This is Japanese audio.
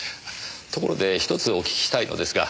ところで１つお聞きしたいのですが。